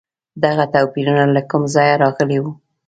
دغه توپیرونه له کوم ځایه راغلي وو؟